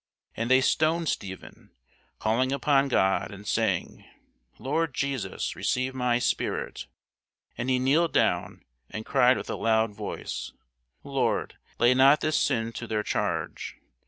And they stoned Stephen, calling upon God, and saying, Lord Jesus, receive my spirit. And he kneeled down, and cried with a loud voice, Lord, lay not this sin to their charge.